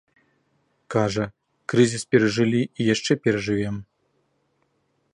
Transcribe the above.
Кажа, крызіс перажылі і яшчэ перажывём.